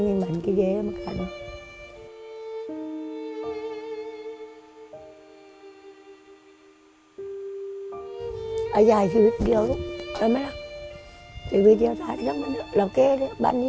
อยากให้อยู่กับหนูไปนาน